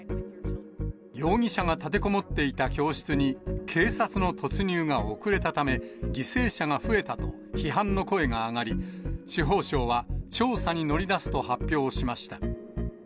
容疑者が立てこもっていた教室に警察の突入が遅れたため、犠牲者が増えたと、批判の声が上がり、司法省は調査に乗り出すと発表しました。